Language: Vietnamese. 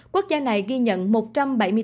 quốc gia này ghi nhận một trăm năm mươi ca nhiễm mới